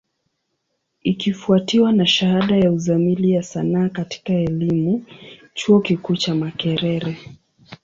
Ikifwatiwa na shahada ya Uzamili ya Sanaa katika elimu, chuo kikuu cha Makerere.